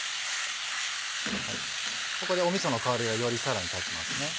ここでみその香りがよりさらに立ちますね。